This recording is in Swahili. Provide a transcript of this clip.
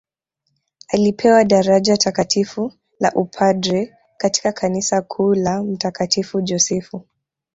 Alipewa daraja Takatifu la upadre katika kanisa kuu la mtakatifu Josefu